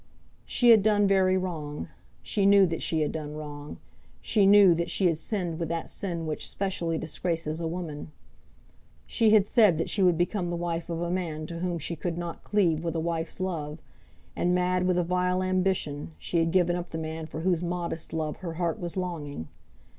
She had done very wrong. She knew that she had done wrong. She knew that she had sinned with that sin which specially disgraces a woman. She had said that she would become the wife of a man to whom she could not cleave with a wife's love; and, mad with a vile ambition, she had given up the man for whose modest love her heart was longing.